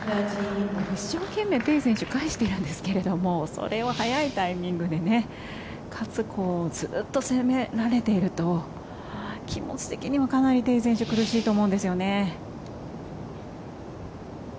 一生懸命にテイ選手返しているんですがそれを速いタイミングでかつ、ずっと攻められていると気持ち的にも、かなりテイ選手苦しいと思うんですよね。